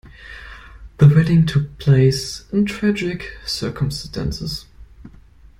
The wedding took place in tragic circumstances.